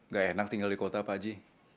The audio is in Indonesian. gak enak tinggal di kota pak haji